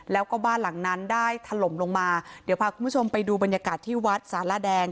แล้วก็บ้านหลังนั้นได้ถล่มลงมาเดี๋ยวพาคุณผู้ชมไปดูบรรยากาศที่วัดสารแดง